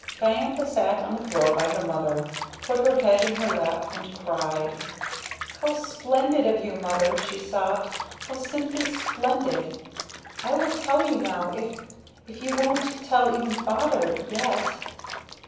Diantha sat on the floor by her mother, put her head in her lap and cried. "How splendid of you, Mother!" she sobbed. "How simply splendid! I will tell you now if if you won't tell even Father yet."